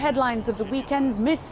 headline nya pada hujung minggu